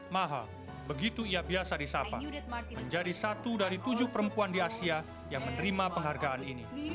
maha begitu ia biasa disapa menjadi satu dari tujuh perempuan di asia yang menerima penghargaan ini